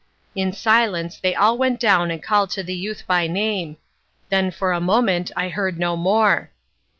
In silence they all went down and called to the youth by name; then for a moment I heard no more.